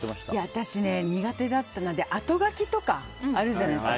私ね、苦手だったのであとがきとかあるじゃないですか。